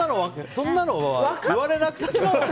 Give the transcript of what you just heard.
そんなのは言われなくてもね。